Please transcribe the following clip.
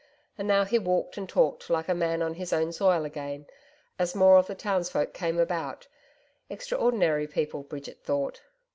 And now he walked and talked like a man on his own soil again, as more of the townsfolk came about extraordinary people, Bridget thought.